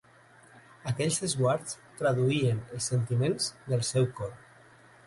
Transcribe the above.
Aquells esguards traduïen els sentiments del seu cor.